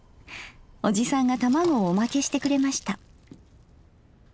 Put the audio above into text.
おじさんが卵をおまけしてくれました。